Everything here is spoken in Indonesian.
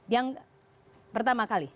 yang pertama kali